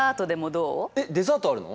えっデザートあるの？